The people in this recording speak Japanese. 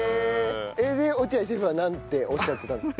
で落合シェフはなんておっしゃってたんですか？